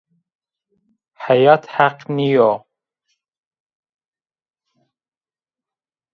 Heyat heq nîyo